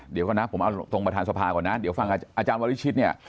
เดี๋ยวก่อนนะผมเอาตรงประธานสภาก่อนนะเดี๋ยวฟังอาจารย์วริชิตเนี่ย